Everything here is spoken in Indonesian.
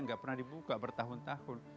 nggak pernah dibuka bertahun tahun